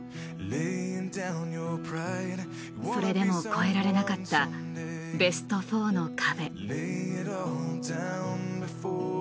それでも越えられなかったベスト４の壁。